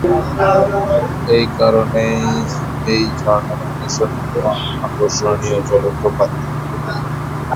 এই কারণে এই ঝর্ণা বাংলাদেশের অন্যতম আকর্ষণীয় জলপ্রপাত।